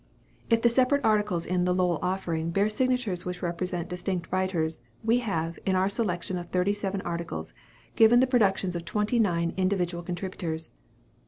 If the separate articles in "The Lowell Offering" bear signatures which represent distinct writers, we have, in our selection of thirty seven articles, given the productions of twenty nine individual contributors.